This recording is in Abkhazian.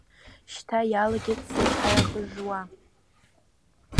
Шьҭа иалагеит сычҳара хыжжуа…